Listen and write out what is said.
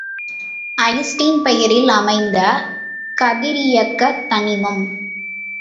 Einstein பெயரில் அமைந்த கதிரியக்கத் தனிமம்.